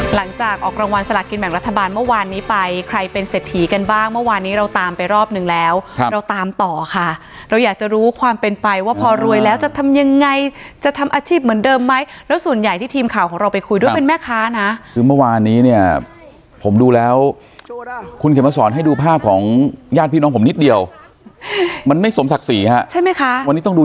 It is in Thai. หลังจากออกรางวัลสละกินแบ่งรัฐบาลเมื่อวานนี้ไปใครเป็นเศรษฐีกันบ้างเมื่อวานนี้เราตามไปรอบนึงแล้วครับเราตามต่อค่ะเราอยากจะรู้ความเป็นไปว่าพอรวยแล้วจะทำยังไงจะทำอาชีพเหมือนเดิมไหมแล้วส่วนใหญ่ที่ทีมข่าวของเราไปคุยด้วยเป็นแม่ค้านะคือเมื่อวานนี้เนี่ยผมดูแล้วคุณเขียนมาสอนให้ดูภาพของญาติพี่น้องผมนิดเดียวมันไม่สมศักดิ์ศรีฮะใช่ไหมคะวันนี้ต้องดู